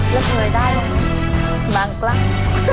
แล้วเคยได้หรือเปล่าบางครั้ง